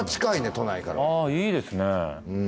都内からあーいいですね